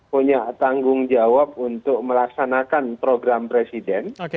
punya tanggung jawab untuk melaksanakan program presiden